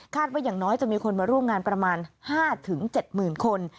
ว่าอย่างน้อยจะมีคนมาร่วมงานประมาณ๕๗๐๐คน